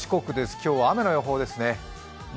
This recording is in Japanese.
今日は雨の予報ですね。